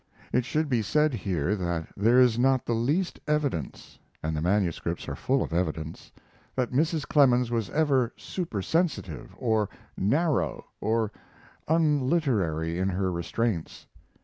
It should be said here that there is not the least evidence (and the manuscripts are full of evidence) that Mrs. Clemens was ever super sensitive, or narrow, or unliterary in her restraints.